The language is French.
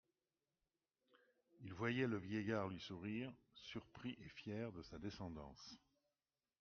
Il voyait le vieillard lui sourire, surpris et fier de sa descendance.